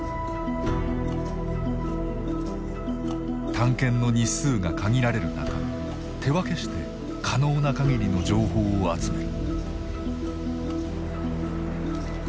探検の日数が限られる中手分けして可能な限りの情報を集める。